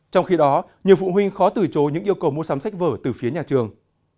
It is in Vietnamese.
trong khi đó nhiều phụ huynh khó từ chối những yêu cầu mua sắm sách vở từ phía nhà trường